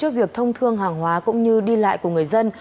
cho việc thông thương hàng hóa cũng như đi lại của người dân